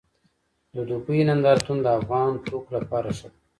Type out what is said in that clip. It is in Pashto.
د دوبۍ نندارتون د افغاني توکو لپاره ښه دی